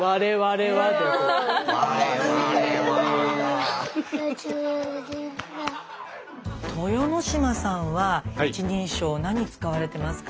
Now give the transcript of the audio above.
なんかこうね豊ノ島さんは一人称何使われてますか？